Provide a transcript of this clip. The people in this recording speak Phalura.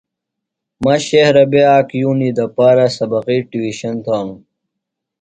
مہ شہرہ بےۡ آک یُونی دپارہ سبقی ٹِیوشن تھانوۡ۔